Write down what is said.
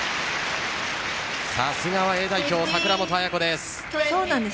さすがはＡ代表・櫻本絢子です。